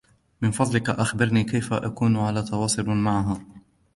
من فضلِك أخبريني كيف أكون على تواصل معها.